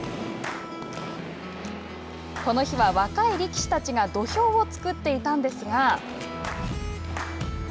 この日は、若い力士たちが土俵を作っていたんですが。